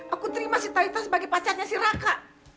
aku terima si talitha sebagai pacarnya si raka